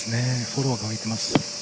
フォローが浮いています。